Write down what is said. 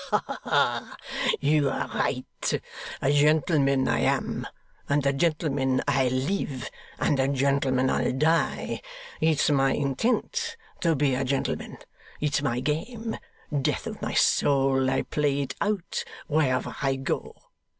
'Haha! You are right! A gentleman I am! And a gentleman I'll live, and a gentleman I'll die! It's my intent to be a gentleman. It's my game. Death of my soul, I play it out wherever I go!